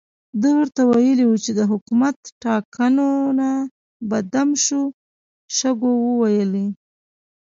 ده ورته ویلي وو چې د حکومت ټانګونه په دم شوو شګو وولي.